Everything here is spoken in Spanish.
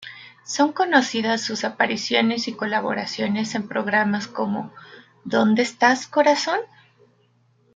Son conocidas sus apariciones y colaboraciones en programas como "¿Dónde estás, corazón?